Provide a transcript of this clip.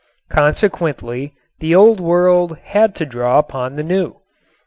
Consequently the Old World had to draw upon the New.